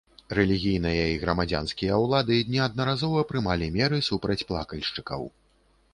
Рэлігійныя і грамадзянскія ўлады неаднаразова прымалі меры супраць плакальшчыкаў.